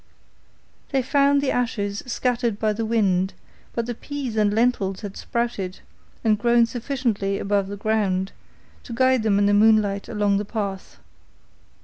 They found the ashes scattered by the wind, but the peas and lentils had sprouted, and grown sufficiently above the ground, to guide them in the moonlight along the path.